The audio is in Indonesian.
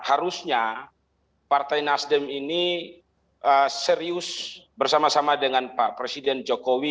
harusnya partai nasdem ini serius bersama sama dengan pak presiden jokowi